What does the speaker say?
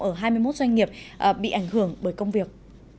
ở hai mươi một doanh nghiệp bị ảnh hưởng bởi công việc